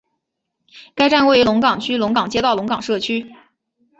该站位于龙岗区龙岗街道龙岗社区。